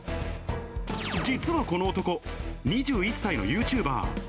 実はこの男、２１歳のユーチューバー。